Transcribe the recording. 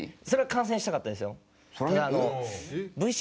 それは観戦したかったですよ。